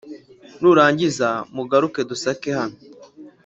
nurangiza mugaruke dusake hano